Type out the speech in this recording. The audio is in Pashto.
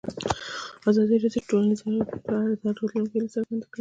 ازادي راډیو د ټولنیز بدلون په اړه د راتلونکي هیلې څرګندې کړې.